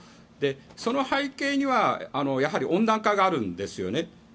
その背景にはやはり温暖化があるんですよね。